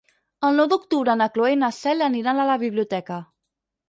El nou d'octubre na Cloè i na Cel aniran a la biblioteca.